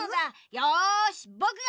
よしぼくが！